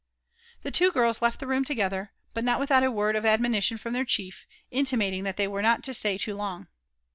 Tbe two girls left the room together, but not without a word of ad monition from their chief, intimating that they were nut lo stay too long.